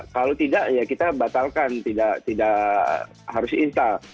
kalau tidak ya kita batalkan tidak harus install